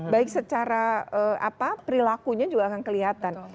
baik secara perilakunya juga akan kelihatan